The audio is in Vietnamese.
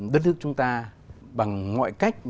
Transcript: đất nước chúng ta bằng mọi cách